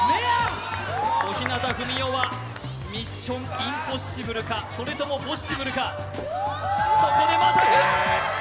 小日向文世はミッション：インポッシブルかそれともポッシブルか。